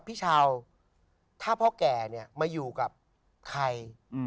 พี่ชาวถ้าพ่อแก่เนี่ยมาอยู่กับใคร